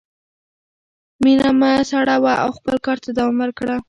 مینه مه سړوه او خپل کار ته دوام ورکړه.